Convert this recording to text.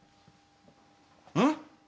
うん？